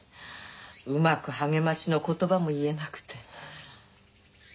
うまく励ましの言葉も言えなくて。